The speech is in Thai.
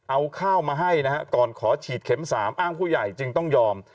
เอาข้าวมาให้นะฮะก่อนขอฉีดเข็ม๓อ้างผู้ใหญ่จึงต้องยอม